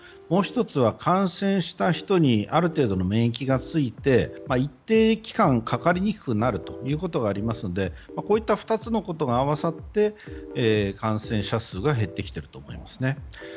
もう１つは感染した人にある程度免疫がついて一定期間かかりにくくなるということがありますのでこういった２つのことが合わさって感染者数が減ってきていると思いますね。